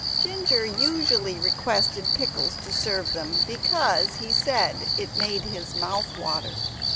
Ginger usually requested Pickles to serve them, because he said it made his mouth water.